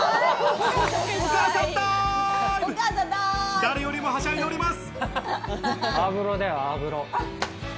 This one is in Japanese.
誰よりもはしゃいでおります。